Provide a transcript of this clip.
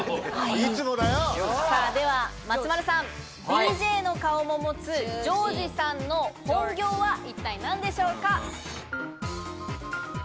松丸さん、ＤＪの顔を持つジョージさんの本業は一体何でしょうか？